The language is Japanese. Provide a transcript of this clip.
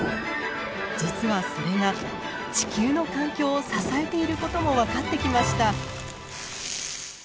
実はそれが地球の環境を支えていることも分かってきました。